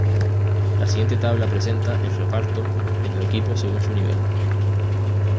La siguiente tabla presenta el reparto de los equipos según su nivel.